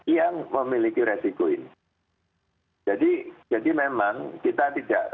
yang memiliki resiko ini jadi memang kita tidak